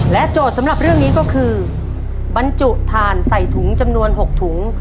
โจทย์สำหรับเรื่องนี้ก็คือบรรจุถ่านใส่ถุงจำนวน๖ถุง